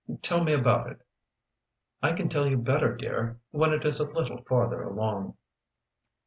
"Tell me about it." "I can tell you better, dear, when it is a little farther along."